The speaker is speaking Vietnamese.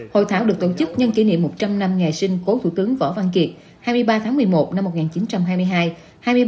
hội thảo được tổ chức nhân kỷ niệm một trăm linh năm ngày sinh cố thủ tướng võ văn kiệt hai mươi ba tháng một mươi một năm một nghìn chín trăm hai mươi hai